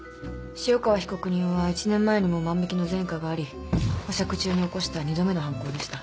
潮川被告人は１年前にも万引の前科があり保釈中に起こした２度目の犯行でした。